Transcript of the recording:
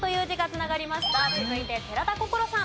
続いて寺田心さん。